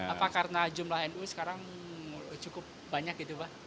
apa karena jumlah nu sekarang cukup banyak gitu pak